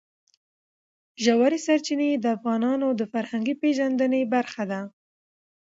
ژورې سرچینې د افغانانو د فرهنګي پیژندنې برخه ده.